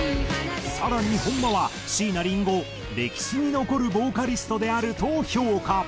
更に本間は椎名林檎を歴史に残るボーカリストであると評価。